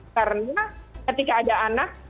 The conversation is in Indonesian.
karena ketika ada anak